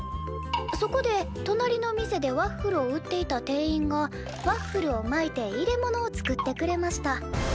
そこでとなりの店でワッフルを売っていた店員がワッフルを巻いて入れ物を作ってくれました。